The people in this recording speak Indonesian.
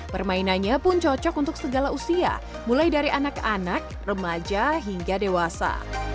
permainannya pun cocok untuk segala usia mulai dari anak anak remaja hingga dewasa